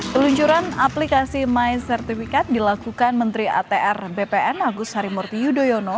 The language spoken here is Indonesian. peluncuran aplikasi my sertifikat dilakukan menteri atr bpn agus harimurti yudhoyono